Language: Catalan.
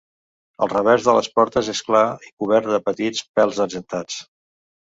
El revers de les potes és clar i cobert de petits pèls argentats.